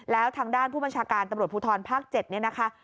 แล้วทางด้านผู้บัญชาการตำรวจภูทรภาค๗เนี่ยนะคะ